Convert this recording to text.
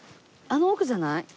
あの奥じゃない？